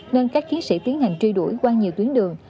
nên các chiến sĩ tiến hành truy đuổi qua nhiều tuyến đường